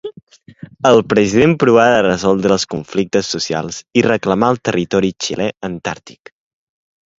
El president provà de resoldre els conflictes socials i reclamà el Territori Xilè Antàrtic.